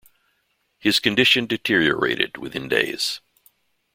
His condition deteriorated within days.